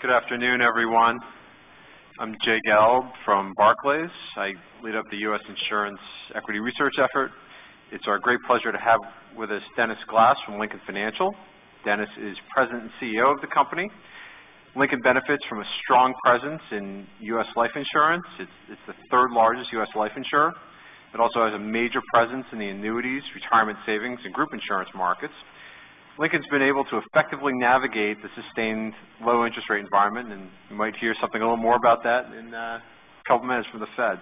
Good afternoon, everyone. I'm Jay Gelb from Barclays. I lead up the U.S. Insurance Equity Research effort. It's our great pleasure to have with us Dennis Glass from Lincoln Financial. Dennis is President and CEO of the company. Lincoln benefits from a strong presence in U.S. life insurance. It's the third-largest U.S. life insurer. It also has a major presence in the annuities, retirement savings, and group insurance markets. Lincoln's been able to effectively navigate the sustained low interest rate environment, and you might hear something a little more about that in a couple of minutes from the Fed.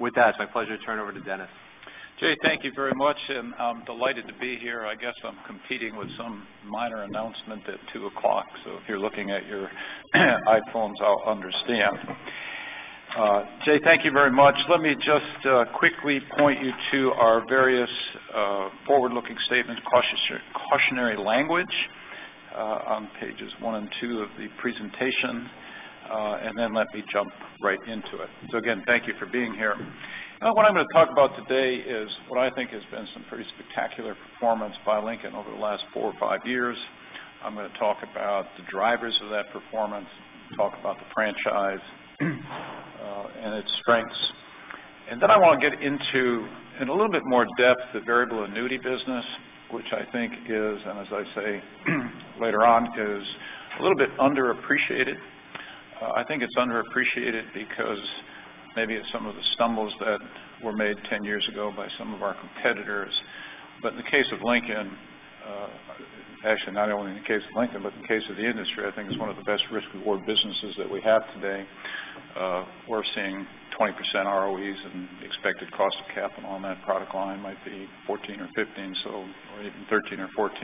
With that, it's my pleasure to turn it over to Dennis. Jay, thank you very much. I'm delighted to be here. I guess I'm competing with some minor announcement at 2 o'clock, if you're looking at your iPhones, I'll understand. Jay, thank you very much. Let me just quickly point you to our various forward-looking statements cautionary language on pages one and two of the presentation, then let me jump right into it. Again, thank you for being here. What I'm going to talk about today is what I think has been some pretty spectacular performance by Lincoln over the last four or five years. I'm going to talk about the drivers of that performance, talk about the franchise and its strengths. Then I want to get into, in a little bit more depth, the Variable Annuity business, which I think is, and as I say later on, is a little bit underappreciated. I think it's underappreciated because maybe some of the stumbles that were made 10 years ago by some of our competitors. In the case of Lincoln, actually not only in the case of Lincoln, but in the case of the industry, I think it's one of the best risk-reward businesses that we have today. We're seeing 20% ROEs and expected cost of capital on that product line might be 14 or 15, or even 13 or 14.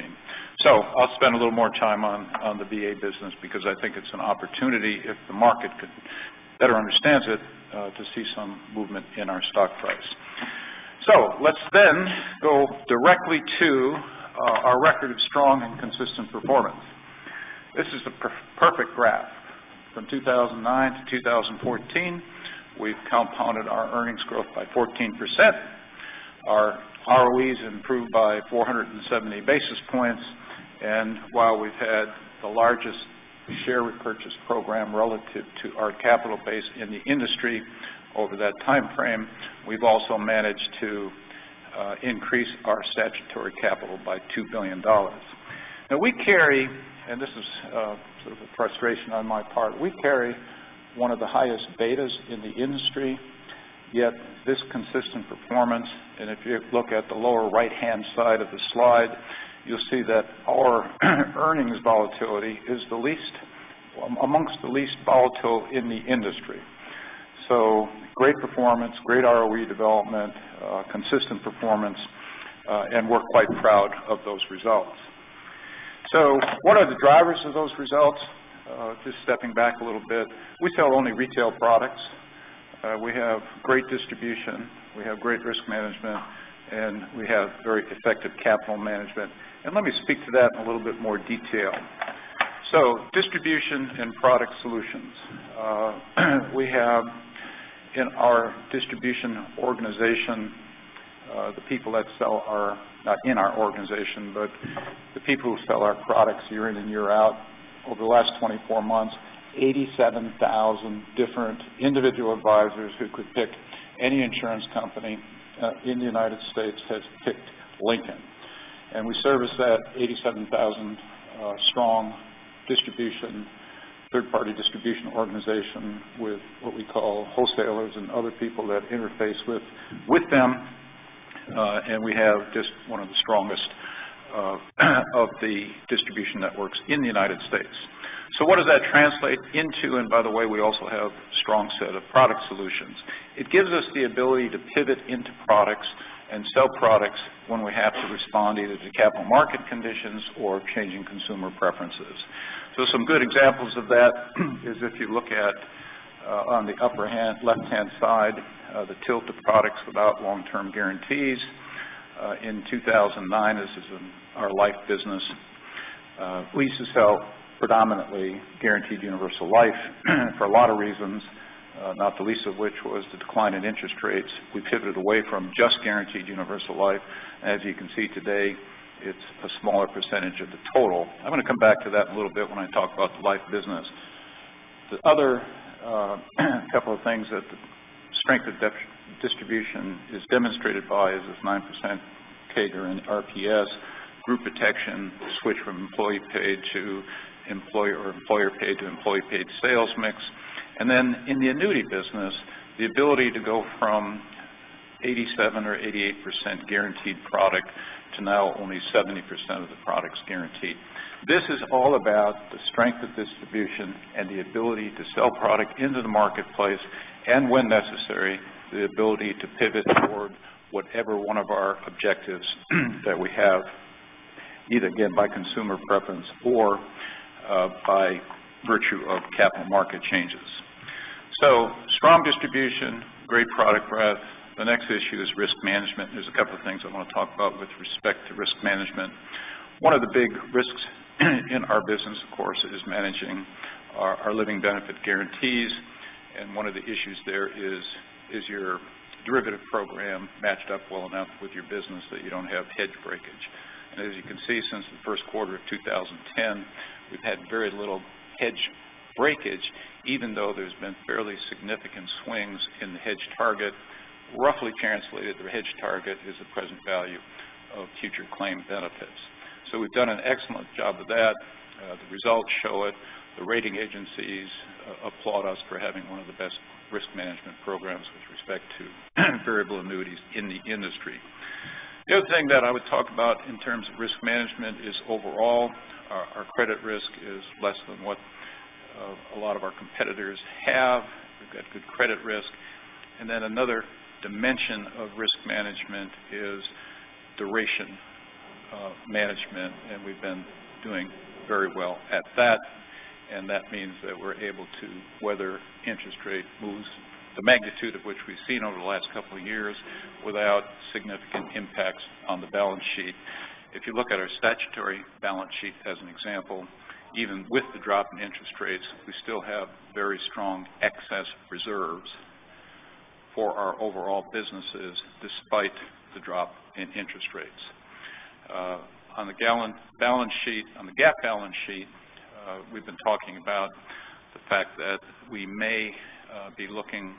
I'll spend a little more time on the VA business because I think it's an opportunity if the market better understands it to see some movement in our stock price. Let's then go directly to our record of strong and consistent performance. This is the perfect graph. From 2009 to 2014, we've compounded our earnings growth by 14%. Our ROEs improved by 470 basis points. While we've had the largest share repurchase program relative to our capital base in the industry over that timeframe, we've also managed to increase our statutory capital by $2 billion. Now we carry, and this is sort of a frustration on my part, we carry one of the highest betas in the industry, yet this consistent performance, and if you look at the lower right-hand side of the slide, you'll see that our earnings volatility is amongst the least volatile in the industry. Great performance, great ROE development, consistent performance, and we're quite proud of those results. What are the drivers of those results? Just stepping back a little bit. We sell only retail products. We have great distribution, we have great risk management, and we have very effective capital management. Let me speak to that in a little bit more detail. Distribution and product solutions. We have in our distribution organization, the people who sell our products year in and year out over the last 24 months, 87,000 different individual advisors who could pick any insurance company in the U.S. has picked Lincoln. We service that 87,000-strong distribution, third-party distribution organization with what we call wholesalers and other people that interface with them. We have just one of the strongest of the distribution networks in the U.S. What does that translate into? By the way, we also have a strong set of product solutions. It gives us the ability to pivot into products and sell products when we have to respond either to capital market conditions or changing consumer preferences. Some good examples of that is if you look at on the upper left-hand side, the tilt of products without long-term guarantees. In 2009, this is in our life business. We used to sell predominantly Guaranteed Universal Life for a lot of reasons, not the least of which was the decline in interest rates. We pivoted away from just Guaranteed Universal Life. As you can see today, it's a smaller percentage of the total. I'm going to come back to that a little bit when I talk about the life business. The other couple of things that the strength of distribution is demonstrated by is this 9% CAGR in RPS Group Protection switch from employer-paid to employee-paid sales mix. Then in the annuity business, the ability to go from 87% or 88% guaranteed product to now only 70% of the product's guaranteed. This is all about the strength of distribution and the ability to sell product into the marketplace and, when necessary, the ability to pivot toward whatever one of our objectives that we have, either again, by consumer preference or by virtue of capital market changes. Strong distribution, great product breadth. The next issue is risk management, and there's a couple of things I want to talk about with respect to risk management. One of the big risks in our business, of course, is managing our living benefit guarantees. One of the issues there is your derivative program matched up well enough with your business that you don't have hedge breakage? As you can see, since the first quarter of 2010, we've had very little hedge breakage, even though there's been fairly significant swings in the hedge target. Roughly translated, the hedge target is the present value of future claim benefits. We've done an excellent job of that. The results show it. The rating agencies applaud us for having one of the best risk management programs with respect to Variable Annuities in the industry. The other thing that I would talk about in terms of risk management is overall, our credit risk is less than what a lot of our competitors have. We've got good credit risk. Then another dimension of risk management is duration of management, and we've been doing very well at that. That means that we're able to weather interest rate moves, the magnitude of which we've seen over the last couple of years, without significant impacts on the balance sheet. If you look at our statutory balance sheet as an example, even with the drop in interest rates, we still have very strong excess reserves for our overall businesses, despite the drop in interest rates. On the GAAP balance sheet, we've been talking about the fact that we may be looking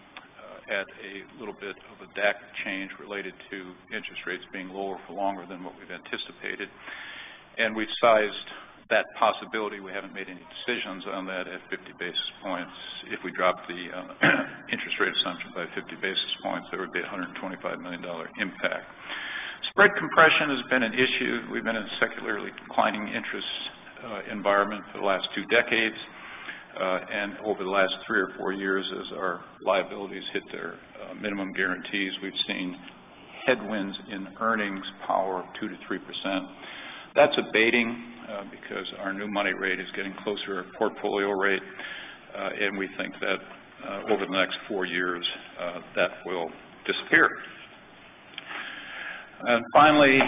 at a little bit of a DAC change related to interest rates being lower for longer than what we've anticipated. We've sized that possibility. We haven't made any decisions on that at 50 basis points. If we drop the interest rate assumption by 50 basis points, there would be $125 million impact. Spread compression has been an issue. We've been in a secularly declining interest environment for the last two decades. Over the last three or four years, as our liabilities hit their minimum guarantees, we've seen headwinds in earnings power of 2%-3%. That's abating because our new money rate is getting closer to our portfolio rate. We think that over the next four years, that will disappear. Finally,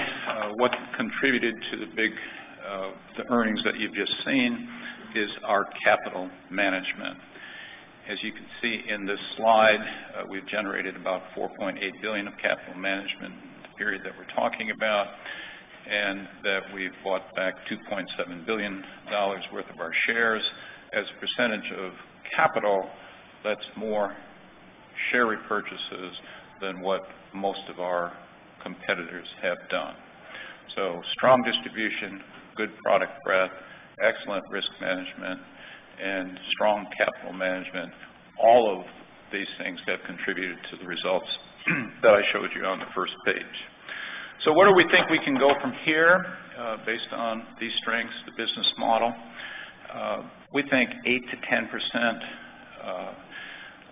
what contributed to the big earnings that you've just seen is our capital management. As you can see in this slide, we've generated about $4.8 billion of capital management in the period that we're talking about, and that we've bought back $2.7 billion worth of our shares. As a percentage of capital, that's more share repurchases than what most of our competitors have done. Strong distribution, good product breadth, excellent risk management, and strong capital management, all of these things have contributed to the results that I showed you on the first page. Where do we think we can go from here based on these strengths, the business model? We think 8%-10%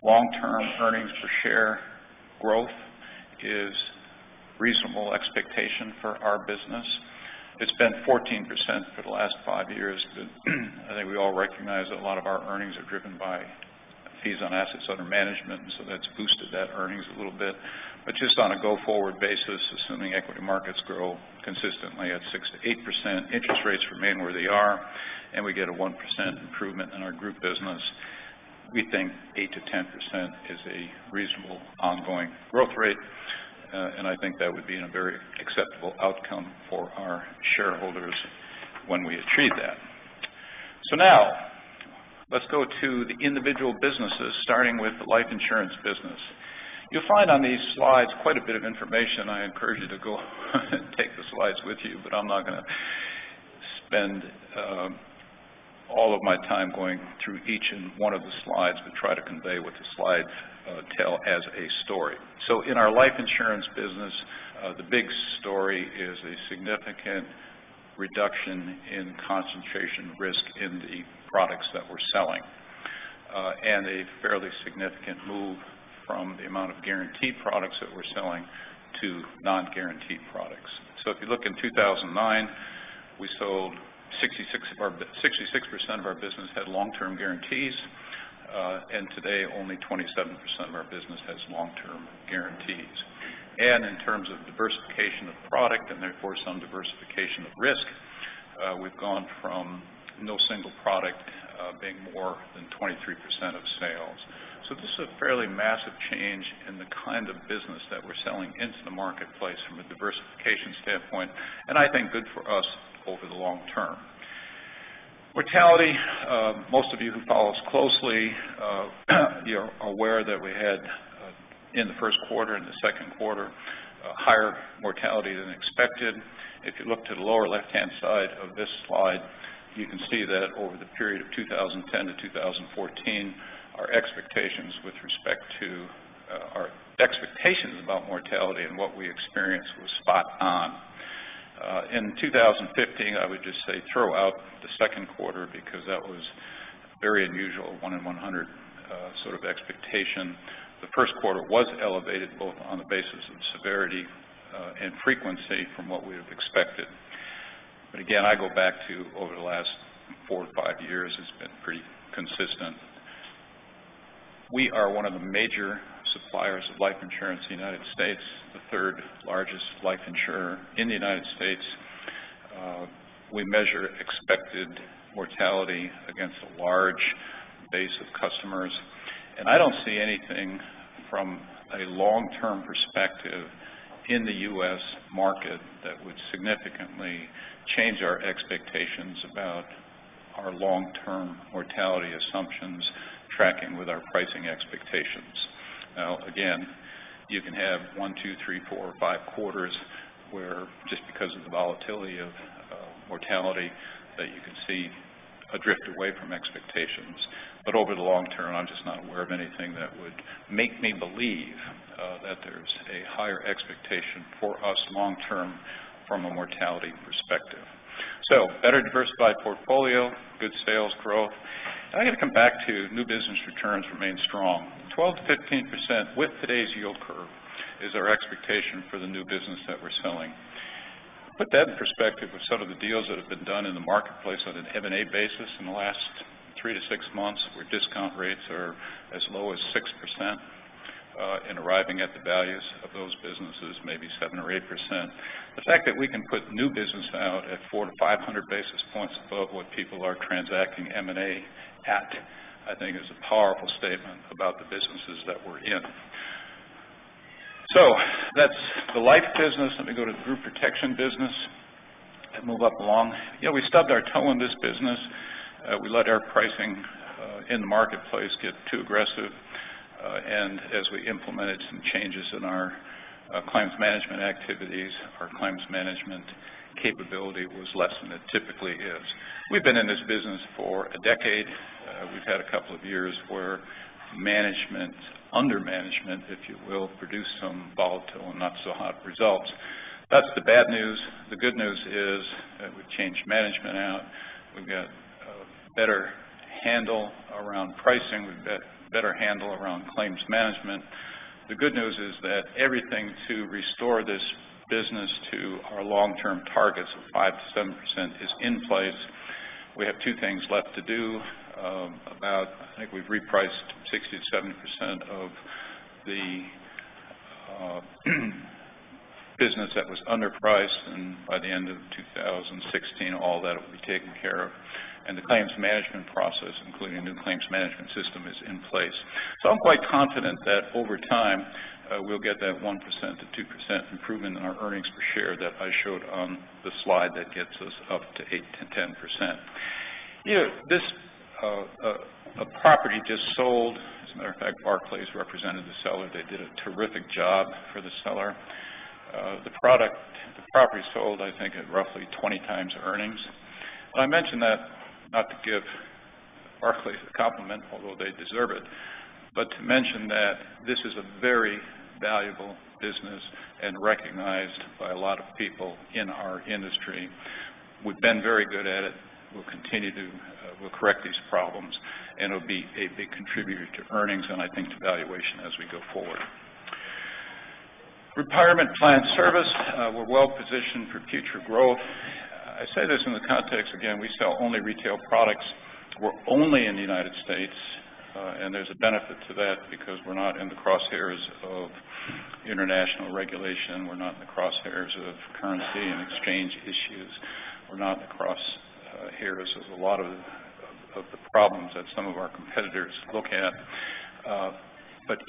long-term earnings per share growth is reasonable expectation for our business. It's been 14% for the last five years, but I think we all recognize that a lot of our earnings are driven by fees on assets under management, that's boosted that earnings a little bit. Just on a go-forward basis, assuming equity markets grow consistently at 6%-8%, interest rates remain where they are, and we get a 1% improvement in our group business, we think 8%-10% is a reasonable ongoing growth rate. I think that would be a very acceptable outcome for our shareholders when we achieve that. Now, let's go to the individual businesses, starting with the life insurance business. You'll find on these slides quite a bit of information. I encourage you to go take the slides with you, I'm not going to spend all of my time going through each one of the slides, try to convey what the slides tell as a story. In our life insurance business, the big story is a significant reduction in concentration risk in the products that we're selling, and a fairly significant move from the amount of guaranteed products that we're selling to non-guaranteed products. If you look in 2009, 66% of our business had long-term guarantees. Today, only 27% of our business has long-term guarantees. In terms of diversification of product, and therefore some diversification of risk, we've gone from no single product being more than 23% of sales. This is a fairly massive change in the kind of business that we're selling into the marketplace from a diversification standpoint, and I think good for us over the long term. Mortality, most of you who follow us closely, you're aware that we had, in the first quarter and the second quarter, higher mortality than expected. If you look to the lower left-hand side of this slide, you can see that over the period of 2010 to 2014, our expectations about mortality and what we experienced was spot on. In 2015, I would just say throw out the second quarter because that was very unusual, 1 in 100 sort of expectation. The first quarter was elevated, both on the basis of severity and frequency from what we have expected. Again, I go back to over the last four to five years, it's been pretty consistent. We are one of the major suppliers of life insurance in the United States, the third largest life insurer in the United States. We measure expected mortality against a large base of customers. I don't see anything from a long-term perspective in the U.S. market that would significantly change our expectations about our long-term mortality assumptions tracking with our pricing expectations. Now, again, you can have one, two, three, four, five quarters where just because of the volatility of mortality that you can see a drift away from expectations. Over the long term, I'm just not aware of anything that would make me believe that there's a higher expectation for us long term from a mortality perspective. Better diversified portfolio, good sales growth. I got to come back to new business returns remain strong. 12%-15% with today's yield curve is our expectation for the new business that we're selling. Put that in perspective with some of the deals that have been done in the marketplace on an M&A basis in the last three to six months, where discount rates are as low as 6% in arriving at the values of those businesses, maybe 7% or 8%. The fact that we can put new business out at four to 500 basis points above what people are transacting M&A at, I think is a powerful statement about the businesses that we're in. That's the life business. Let me go to the group protection business and move up along. We stubbed our toe on this business. We let our pricing in the marketplace get too aggressive. As we implemented some changes in our claims management activities, our claims management capability was less than it typically is. We've been in this business for a decade. We've had a couple of years where management, under management, if you will, produced some volatile and not-so-hot results. That's the bad news. The good news is that we've changed management out. We've got a better handle around pricing. We've got better handle around claims management. The good news is that everything to restore this business to our long-term targets of 5%-7% is in place. We have two things left to do. I think we've repriced 60%-70% of the business that was underpriced, and by the end of 2016, all that will be taken care of. The claims management process, including new claims management system, is in place. I'm quite confident that over time, we'll get that 1%-2% improvement in our earnings per share that I showed on the slide that gets us up to 8%-10%. A property just sold. As a matter of fact, Barclays represented the seller. They did a terrific job for the seller. The property sold, I think, at roughly 20 times earnings. I mention that not to give Barclays a compliment, although they deserve it, but to mention that this is a very valuable business and recognized by a lot of people in our industry. We've been very good at it. We'll correct these problems, and it'll be a big contributor to earnings and I think to valuation as we go forward. Retirement Plan Services. We're well-positioned for future growth. I say this in the context, again, we sell only retail products. We're only in the U.S., there's a benefit to that because we're not in the crosshairs of international regulation. We're not in the crosshairs of currency and exchange issues. We're not in the crosshairs of a lot of the problems that some of our competitors look at.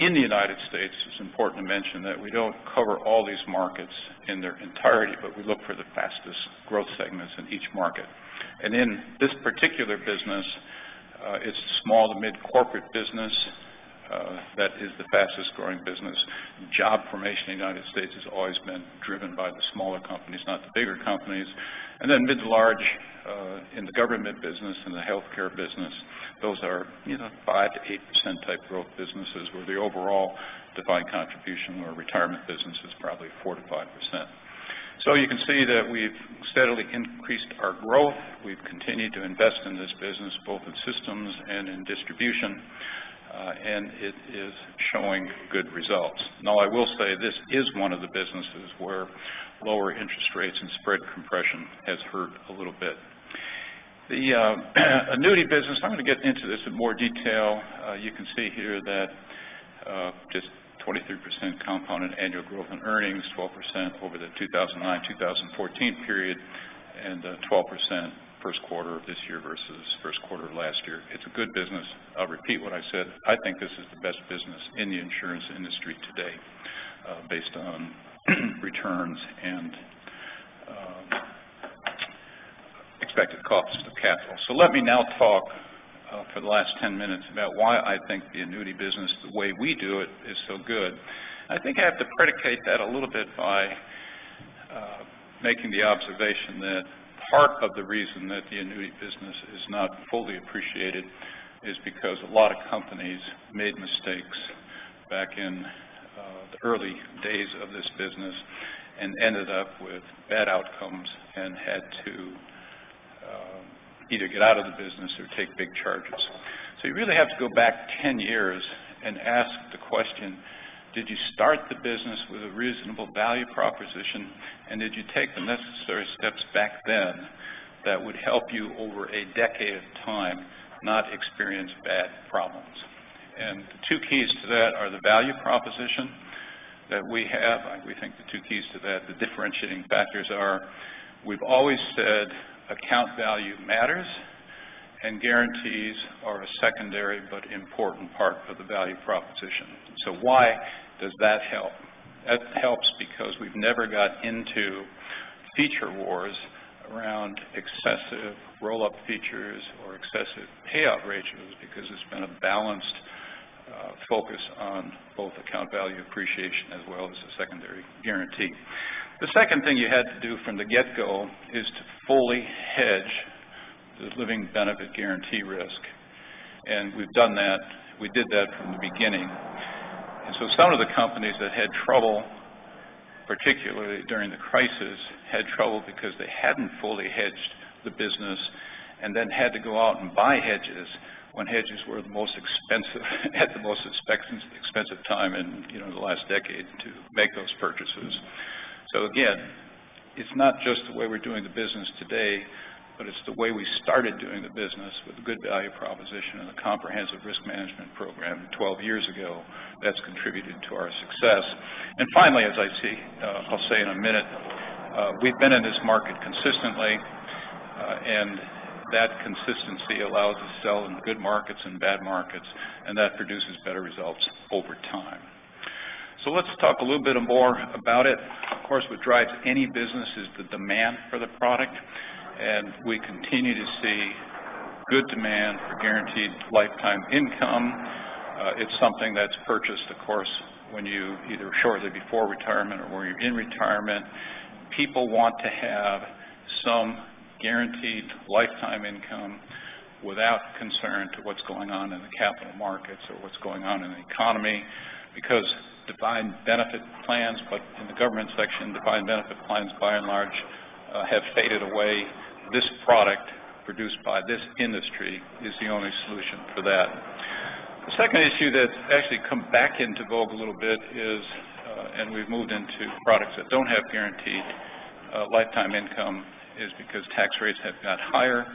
In the U.S., it's important to mention that we don't cover all these markets in their entirety, but we look for the fastest growth segments in each market. In this particular business, it's small to mid-corporate business that is the fastest-growing business. Job formation in the U.S. has always been driven by the smaller companies, not the bigger companies. Then mid to large in the government business and the healthcare business, those are 5%-8% type growth businesses where the overall defined contribution or retirement business is probably 4%-5%. You can see that we've steadily increased our growth. We've continued to invest in this business, both in systems and in distribution, it is showing good results. I will say this is one of the businesses where lower interest rates and spread compression has hurt a little bit. The annuity business, I'm going to get into this in more detail. You can see here that just 23% compound annual growth and earnings, 12% over the 2009-2014 period, 12% first quarter of this year versus first quarter of last year. It's a good business. I'll repeat what I said. I think this is the best business in the insurance industry today based on returns and expected cost of capital. Let me now talk for the last 10 minutes about why I think the annuity business the way we do it is so good. I think I have to predicate that a little bit by making the observation that part of the reason that the annuity business is not fully appreciated is because a lot of companies made mistakes back in the early days of this business and ended up with bad outcomes and had to either get out of the business or take big charges. You really have to go back 10 years and ask the question: did you start the business with a reasonable value proposition, and did you take the necessary steps back then that would help you over a decade of time not experience bad problems? The two keys to that are the value proposition that we have. We think the two keys to that, the differentiating factors are, we've always said account value matters, and guarantees are a secondary but important part of the value proposition. Why does that help? That helps because we have never got into feature wars around excessive roll-up features or excessive payout ratios, because it has been a balanced focus on both account value appreciation as well as the secondary guarantee. The second thing you had to do from the get-go is to fully hedge the living benefit guarantee risk. We have done that. We did that from the beginning. Some of the companies that had trouble, particularly during the crisis, had trouble because they had not fully hedged the business, then had to go out and buy hedges when hedges were the most expensive at the most expensive time in the last decade to make those purchases. Again, it is not just the way we are doing the business today, but it is the way we started doing the business with a good value proposition and a comprehensive risk management program 12 years ago that has contributed to our success. Finally, as I will say in a minute, we have been in this market consistently, and that consistency allows us to sell in good markets and bad markets, and that produces better results over time. Let us talk a little bit more about it. Of course, what drives any business is the demand for the product, and we continue to see good demand for guaranteed lifetime income. It is something that is purchased, of course, when you either shortly before retirement or you are in retirement. People want to have some guaranteed lifetime income without concern to what is going on in the capital markets or what is going on in the economy. Defined benefit plans, like in the government section, defined benefit plans by and large have faded away. This product produced by this industry is the only solution for that. The second issue that has actually come back into vogue a little bit is, and we have moved into products that do not have guaranteed lifetime income, is because tax rates have got higher,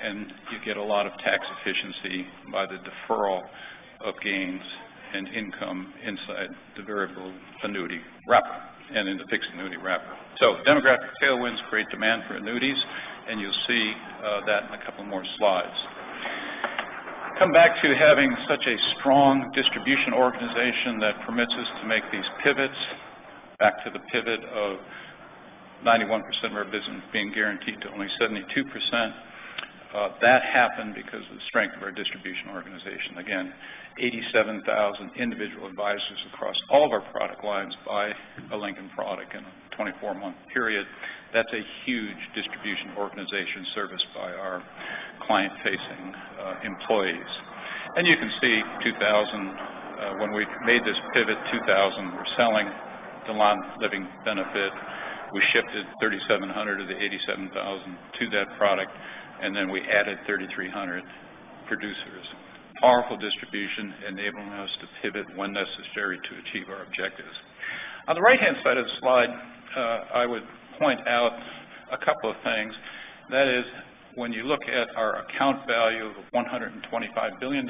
and you get a lot of tax efficiency by the deferral of gains and income inside the Variable Annuity wrapper and in the Fixed Annuity wrapper. Demographic tailwinds create demand for annuities, and you will see that in a couple more slides. Come back to having such a strong distribution organization that permits us to make these pivots. Back to the pivot of 91% of our business being guaranteed to only 72%. That happened because of the strength of our distribution organization. Again, 87,000 individual advisors across all of our product lines buy a Lincoln product in a 24-month period. That is a huge distribution organization serviced by our client-facing employees. You can see 2000, when we made this pivot, 2000, we are selling the non-living benefit. We shifted 3,700 of the 87,000 to that product, then we added 3,300 producers. Powerful distribution enabling us to pivot when necessary to achieve our objectives. On the right-hand side of the slide, I would point out a couple of things. That is, when you look at our account value of $125 billion,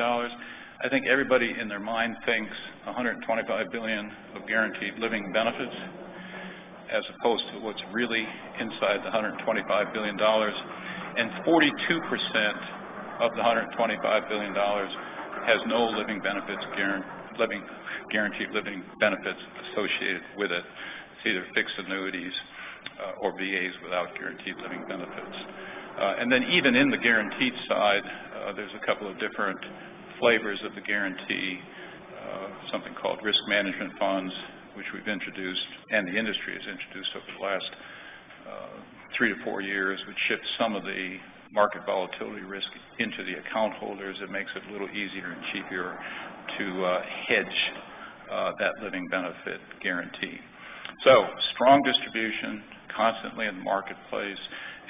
I think everybody in their mind thinks $125 billion of guaranteed living benefits as opposed to what is really inside the $125 billion. 42% of the $125 billion has no guaranteed living benefits associated with it. It is either Fixed Annuities or VAs without guaranteed living benefits. Even in the guaranteed side, there's a couple of different flavors of the guarantee. Something called risk management funds, which we've introduced and the industry has introduced over the last three to four years, which shifts some of the market volatility risk into the account holders. It makes it a little easier and cheaper to hedge that living benefit guarantee. Strong distribution, constantly in the marketplace,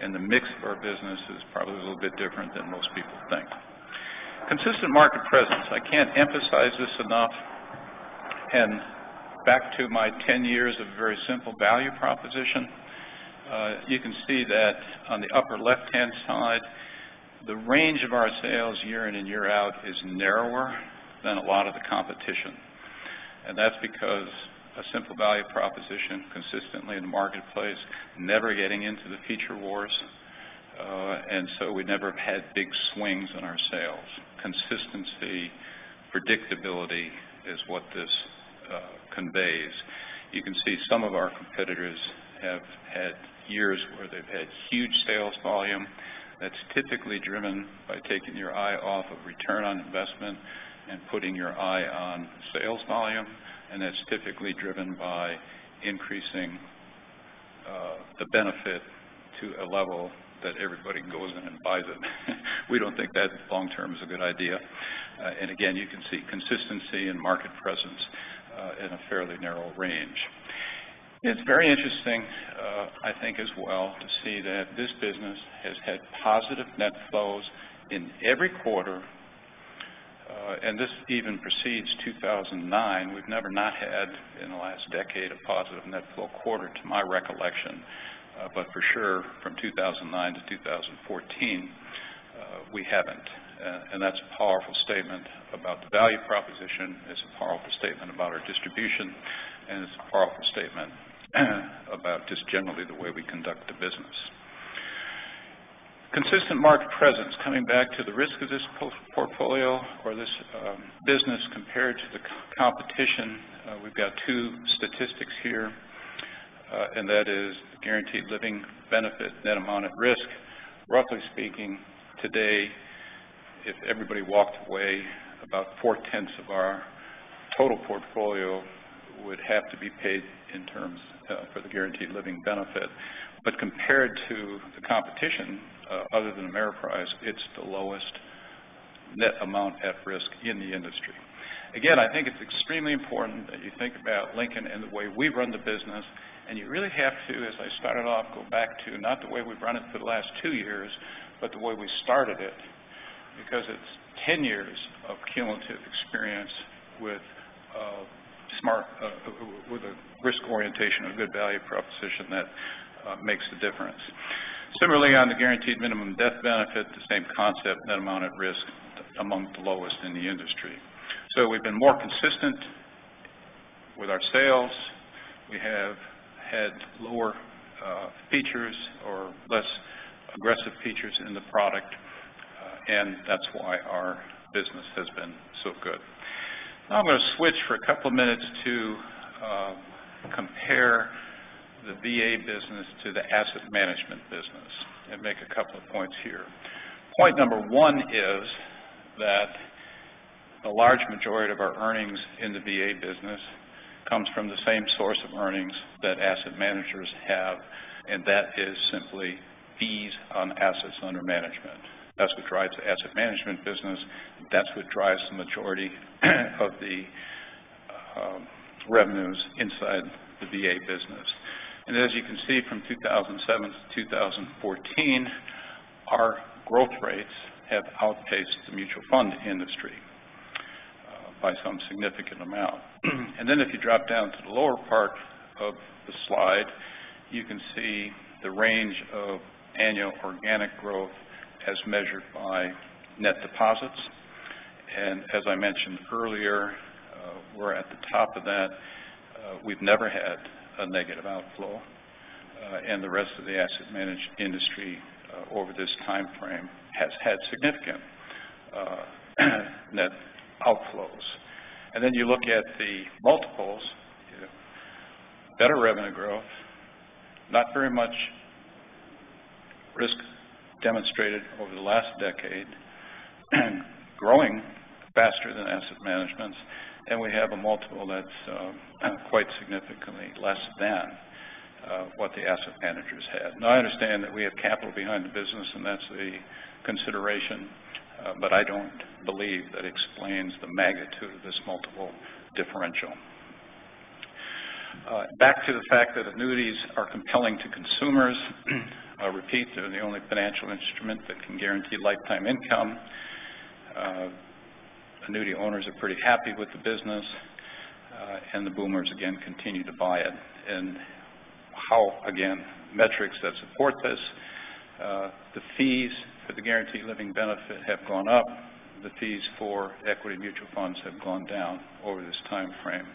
and the mix of our business is probably a little bit different than most people think. Consistent market presence. I can't emphasize this enough. Back to my 10 years of very simple value proposition, you can see that on the upper left-hand side, the range of our sales year in and year out is narrower than a lot of the competition. That's because a simple value proposition consistently in the marketplace, never getting into the feature wars, we never have had big swings in our sales. Consistency, predictability is what this conveys. You can see some of our competitors have had years where they've had huge sales volume. That's typically driven by taking your eye off of return on investment and putting your eye on sales volume, and that's typically driven by increasing the benefit to a level that everybody goes in and buys it. We don't think that long term is a good idea. Again, you can see consistency and market presence in a fairly narrow range. It's very interesting, I think as well, to see that this business has had positive net flows in every quarter, and this even precedes 2009. We've never not had, in the last decade, a positive net flow quarter to my recollection. For sure, from 2009 to 2014, we haven't. That's a powerful statement about the value proposition, it's a powerful statement about our distribution, and it's a powerful statement about just generally the way we conduct the business. Consistent market presence, coming back to the risk of this portfolio or this business compared to the competition, we've got two statistics here, and that is guaranteed living benefit, net amount at risk. Roughly speaking, today, if everybody walked away, about four-tenths of our total portfolio would have to be paid in terms for the guaranteed living benefit. Compared to the competition, other than Ameriprise, it's the lowest net amount at risk in the industry. Again, I think it's extremely important that you think about Lincoln and the way we run the business, and you really have to, as I started off, go back to not the way we've run it for the last two years, but the way we started it. Because it's 10 years of cumulative experience with a risk orientation, a good value proposition that makes the difference. Similarly, on the guaranteed minimum death benefit, the same concept, net amount at risk among the lowest in the industry. We've been more consistent with our sales, we have had lower features or less aggressive features in the product, and that's why our business has been so good. Now I'm going to switch for a couple of minutes to compare the VA business to the asset management business and make a couple of points here. Point number one is that a large majority of our earnings in the VA business comes from the same source of earnings that asset managers have, and that is simply fees on assets under management. That's what drives the asset management business. That's what drives the majority of the revenues inside the VA business. As you can see from 2007 to 2014, our growth rates have outpaced the mutual fund industry by some significant amount. Then if you drop down to the lower part of the slide, you can see the range of annual organic growth as measured by net deposits. As I mentioned earlier, we're at the top of that. We've never had a negative outflow. The rest of the asset management industry over this time frame has had significant net outflows. Then you look at the multiples, better revenue growth, not very much risk demonstrated over the last decade, growing faster than asset management, we have a multiple that's quite significantly less than what the asset managers had. Now, I understand that we have capital behind the business, that's a consideration, but I don't believe that explains the magnitude of this multiple differential. Back to the fact that annuities are compelling to consumers. I'll repeat, they're the only financial instrument that can guarantee lifetime income. Annuity owners are pretty happy with the business. The boomers, again, continue to buy it. How, again, metrics that support this, the fees for the guaranteed living benefit have gone up. The fees for equity mutual funds have gone down over this time frame.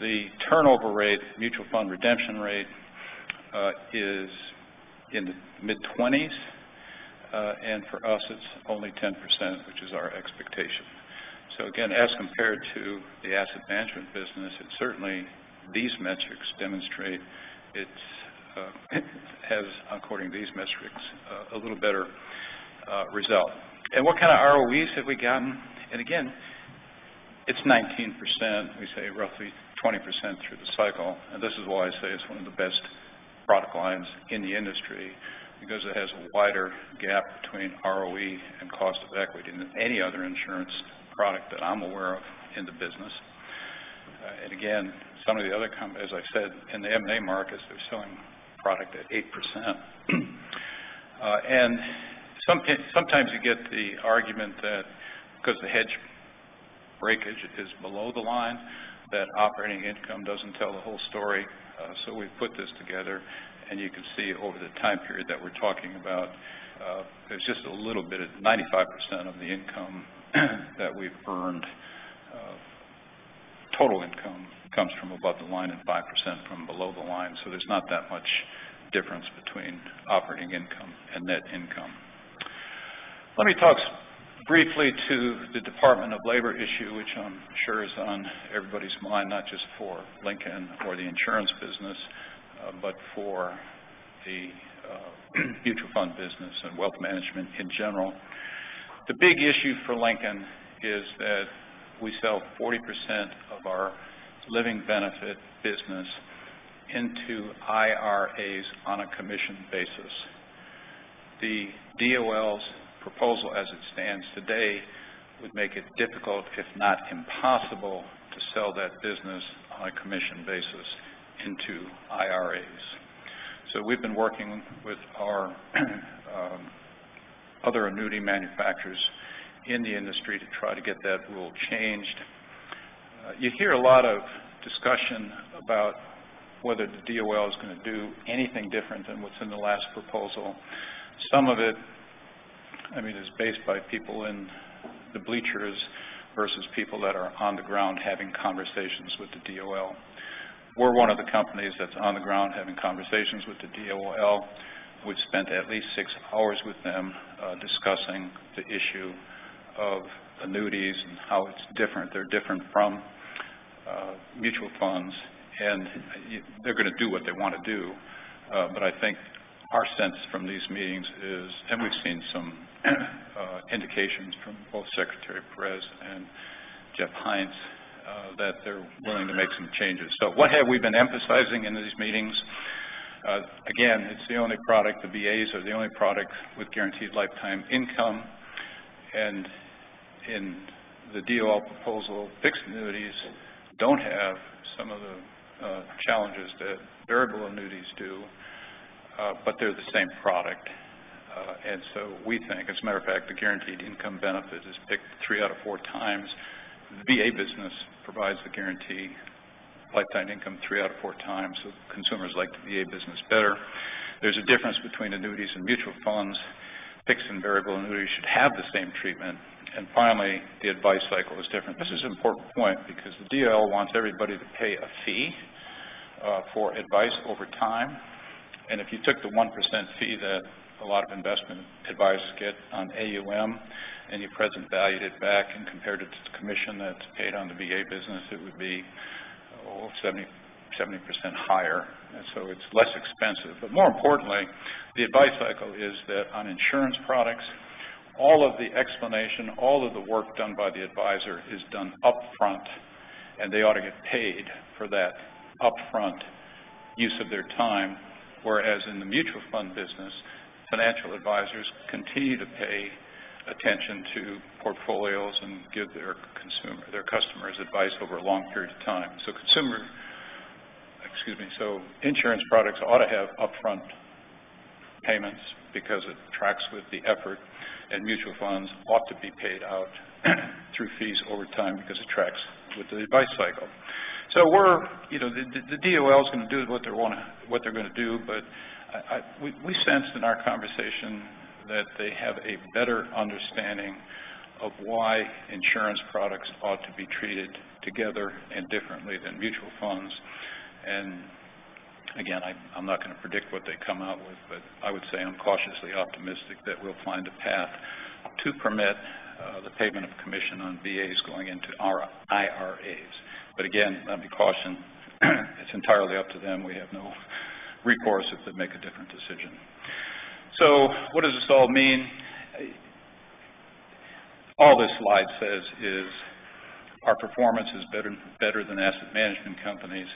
The turnover rate, mutual fund redemption rate, is in the mid-20s. For us, it's only 10%, which is our expectation. Again, as compared to the asset management business, certainly these metrics demonstrate it has, according to these metrics, a little better result. What kind of ROEs have we gotten? Again, it's 19%, we say roughly 20% through the cycle. This is why I say it's one of the best product lines in the industry because it has a wider gap between ROE and cost of equity than any other insurance product that I'm aware of in the business. Again, some of the other as I said, in the M&A markets, they're selling product at 8%. Sometimes you get the argument that because the hedge breakage is below the line, that operating income doesn't tell the whole story. We've put this together, you can see over the time period that we're talking about, there's just a little bit of 95% of the income that we've earned. Total income comes from above the line and 5% from below the line. There's not that much difference between operating income and net income. Let me talk briefly to the Department of Labor issue, which I'm sure is on everybody's mind, not just for Lincoln or the insurance business, but for the mutual fund business and wealth management in general. The big issue for Lincoln is that we sell 40% of our living benefit business into IRAs on a commission basis. The DOL's proposal, as it stands today, would make it difficult, if not impossible, to sell that business on a commission basis into IRAs. We've been working with our other annuity manufacturers in the industry to try to get that rule changed. You hear a lot of discussion about whether the DOL is going to do anything different than what's in the last proposal. Some of it is based by people in the bleachers versus people that are on the ground having conversations with the DOL. We're one of the companies that's on the ground having conversations with the DOL. We've spent at least six hours with them discussing the issue of annuities and how they're different from mutual funds. They're going to do what they want to do, but I think our sense from these meetings is, and we've seen some indications from both Secretary Perez and Jeff Zients, that they're willing to make some changes. What have we been emphasizing in these meetings? Again, it's the only product, the VAs are the only product with guaranteed lifetime income, and in the DOL proposal, Fixed Annuities don't have some of the challenges that Variable Annuities do, but they're the same product. We think, as a matter of fact, the guaranteed income benefit is picked three out of four times. The VA business provides the guaranteed lifetime income three out of four times, so consumers like the VA business better. There's a difference between annuities and mutual funds. Fixed and Variable Annuities should have the same treatment. Finally, the advice cycle is different. This is an important point because the DOL wants everybody to pay a fee for advice over time. If you took the 1% fee that a lot of investment advisors get on AUM, and you present valued it back and compared it to the commission that's paid on the VA business, it would be 70% higher. It's less expensive. More importantly, the advice cycle is that on insurance products, all of the explanation, all of the work done by the advisor is done upfront, and they ought to get paid for that upfront use of their time. Whereas in the mutual fund business, financial advisors continue to pay attention to portfolios and give their customers advice over a long period of time. Insurance products ought to have upfront payments because it tracks with the effort, and mutual funds ought to be paid out through fees over time because it tracks with the advice cycle. The DOL is going to do what they're going to do, but we sensed in our conversation that they have a better understanding of why insurance products ought to be treated together and differently than mutual funds. Again, I'm not going to predict what they come out with, but I would say I'm cautiously optimistic that we'll find a path to permit the payment of commission on VAs going into IRAs. Again, let me caution, it's entirely up to them. We have no recourse if they make a different decision. What does this all mean? All this slide says is our performance is better than asset management companies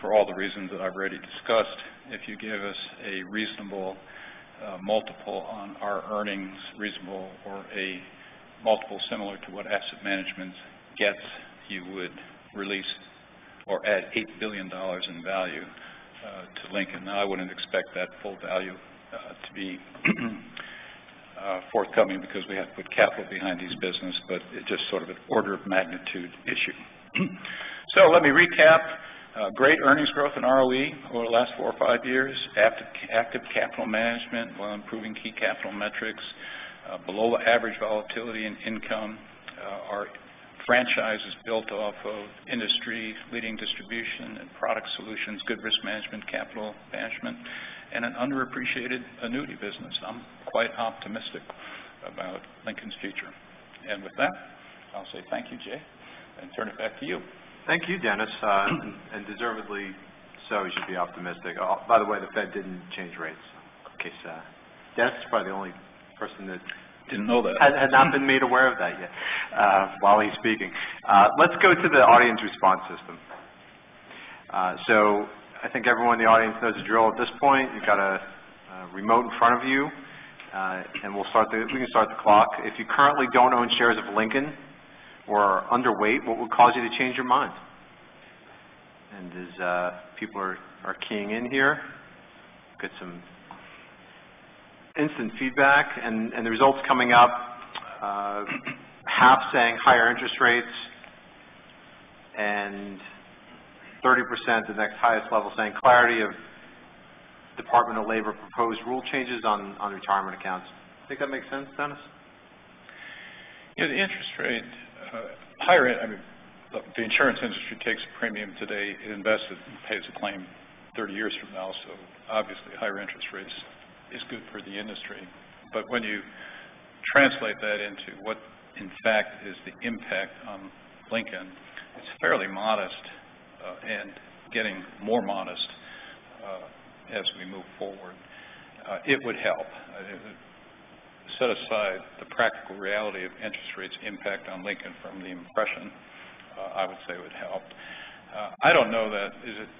for all the reasons that I've already discussed. If you give us a reasonable multiple on our earnings, reasonable or a multiple similar to what asset management gets, you would release or add $8 billion in value to Lincoln. Now, I wouldn't expect that full value to be forthcoming because we have to put capital behind these business, but it's just sort of an order of magnitude issue. Let me recap. Great earnings growth in ROE over the last four or five years. Active capital management while improving key capital metrics. Below average volatility in income. Our franchise is built off of industry-leading distribution and product solutions, good risk management, capital management, and an underappreciated annuity business. I'm quite optimistic about Lincoln's future. With that, I'll say thank you, Jay, and turn it back to you. Thank you, Dennis. Deservedly so. We should be optimistic. By the way, the Fed didn't change rates. In case Dennis is probably the only person that- Didn't know that He has not been made aware of that yet while he's speaking. Let's go to the audience response system. I think everyone in the audience knows the drill at this point. You've got a remote in front of you. We can start the clock. If you currently don't own shares of Lincoln or are underweight, what would cause you to change your mind? As people are keying in here, got some instant feedback, and the results coming up. Half saying higher interest rates and 30%, the next highest level, saying clarity of Department of Labor proposed rule changes on retirement accounts. Think that makes sense, Dennis? The insurance industry takes a premium today, it invests it, and pays a claim 30 years from now. Obviously higher interest rates is good for the industry. When you translate that into what in fact is the impact on Lincoln, it's fairly modest and getting more modest as we move forward. It would help. Set aside the practical reality of interest rates' impact on Lincoln from the impression, I would say it would help. I don't know that. Is it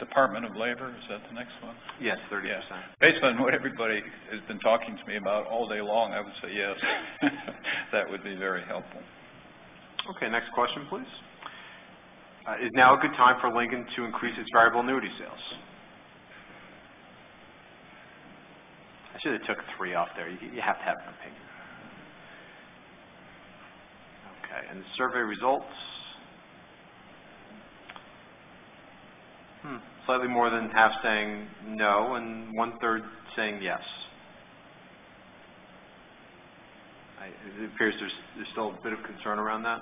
Department of Labor? Is that the next one? Yes, 30%. Yes. Based on what everybody has been talking to me about all day long, I would say yes, that would be very helpful. Okay, next question, please. Is now a good time for Lincoln to increase its Variable Annuity sales? I should have took three off there. You have to have an opinion. Okay, and the survey results. Slightly more than half saying no, and one-third saying yes. It appears there's still a bit of concern around that.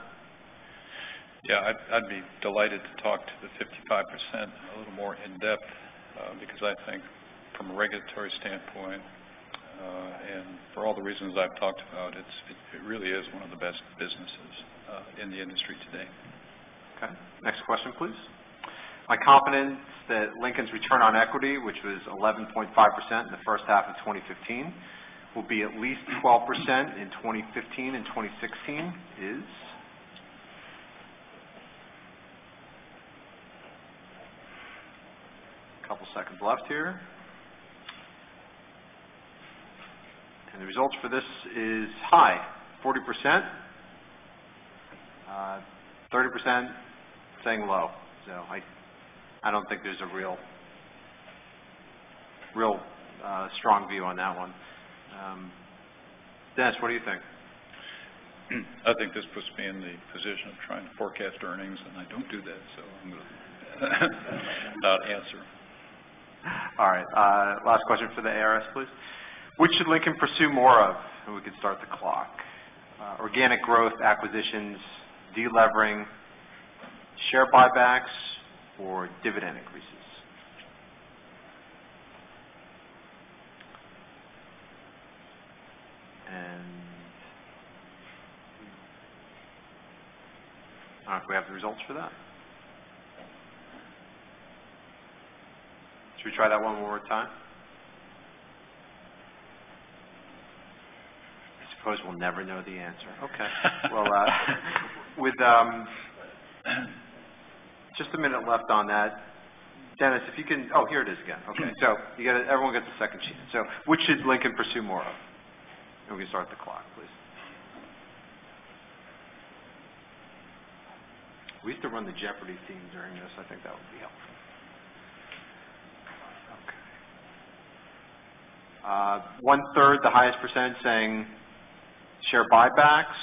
Yeah, I'd be delighted to talk to the 55% a little more in-depth, because I think from a regulatory standpoint, and for all the reasons I've talked about, it really is one of the best businesses in the industry today. Okay. Next question, please. My confidence that Lincoln's return on equity, which was 11.5% in the first half of 2015, will be at least 12% in 2015 and 2016 is Couple seconds left here. The results for this is high, 40%. 30% saying low. I don't think there's a real strong view on that one. Dennis, what do you think? I think this puts me in the position of trying to forecast earnings. I don't do that, so I'm going to not answer. All right. Last question for the ARS, please. Which should Lincoln pursue more of? We can start the clock. Organic growth acquisitions, de-levering, share buybacks, or dividend increases. If we have the results for that. Should we try that one one more time? I suppose we'll never know the answer. Okay. Well, with just a minute left on that, Dennis, if you can Oh, here it is again. Okay. Yeah. Everyone gets a second chance. Which should Lincoln pursue more of? We can start the clock, please. We used to run the Jeopardy! theme during this. I think that would be helpful. Okay. One-third, the highest %, saying share buybacks.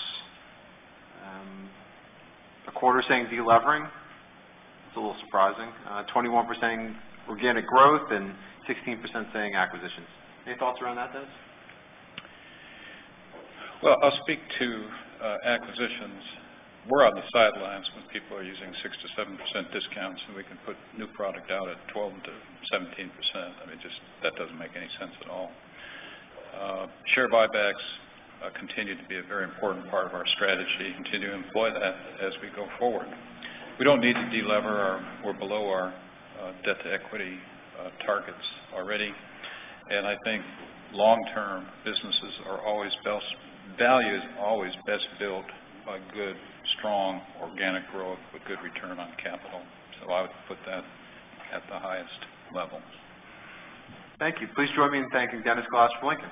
A quarter saying de-levering. That's a little surprising. 21% saying organic growth and 16% saying acquisitions. Any thoughts around that, Dennis? Well, I'll speak to acquisitions. We're on the sidelines when people are using 6%-7% discounts, and we can put new product out at 12%-17%. That doesn't make any sense at all. Share buybacks continue to be a very important part of our strategy, continue to employ that as we go forward. We don't need to de-lever. We're below our debt-to-equity targets already. I think long-term, value is always best built by good, strong organic growth with good return on capital. I would put that at the highest levels. Thank you. Please join me in thanking Dennis Glass for Lincoln.